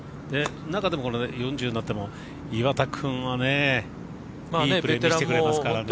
中でもこの４０になっても岩田君はいいプレー見せてくれますからね。